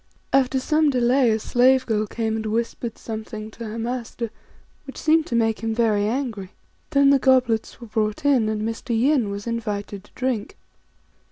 After some delay a slave girl came and whispered something to her master which seemed to make him very angry. Then the goblets were brought in, and Mr. Yin was invited to drink.